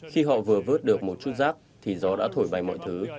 khi họ vừa vớt được một chút rác thì gió đã thổi bay mọi thứ